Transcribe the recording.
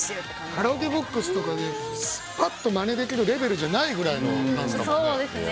カラオケボックスとかでまねできるレベルじゃないくらいのダンスだもんね。